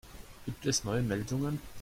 Gibt es neue Meldungen?